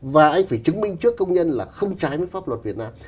tôi phải chứng minh trước công nhân là không trái với pháp luật việt nam